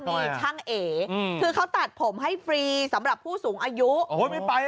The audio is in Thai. นี่ช่างเอ๋คือเขาตัดผมให้ฟรีสำหรับผู้สูงอายุไม่ไป